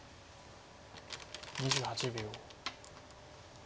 ２８秒。